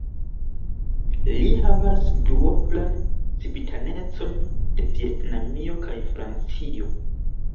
Li havas duoblan civitanecon de Vjetnamio kaj Francio.